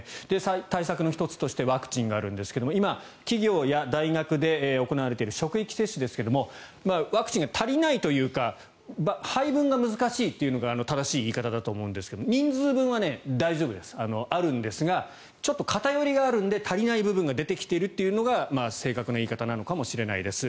対策の１つとしてワクチンがあるんですが今、企業や大学で行われている職域接種ですがワクチンが足りないというか配分が難しいというのが正しい言い方だと思うんですが人数分は大丈夫ですあるんですがちょっと偏りがあるので足りない部分が出てきているというのが正確な言い方なのかもしれないです。